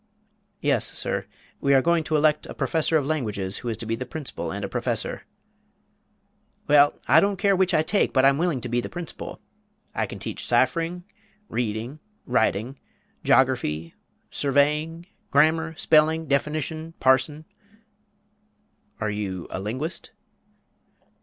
"Yes, sir, we are going to elect a professor of languages who is to be the principal and a professor " "Well, I don't care which I take, but I'm willing to be the principal. I can teach sifring, reading, writing, joggerfee, surveying, grammur, spelling, definition, parsin " "Are you a linguist?"